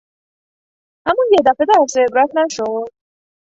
همون یک دفعه درس عبرت نشد؟